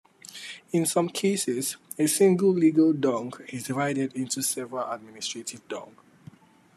In some cases, a single legal "dong" is divided into several administrative "dong".